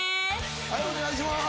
はいお願いします